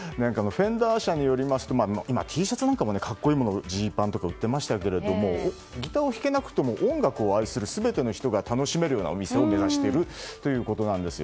フェンダー社によりますと今、Ｔシャツなんかもジーパンなども格好いいものを売っていましたがギターを弾けなくても音楽を愛する全ての人が楽しめるようなお店を目指しているということなんです。